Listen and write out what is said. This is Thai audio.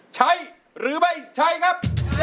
ใช้หรือไม่ใช้ครับ